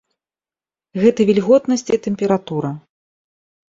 Гэта вільготнасць і тэмпература.